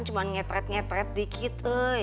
cuma merepek sedikit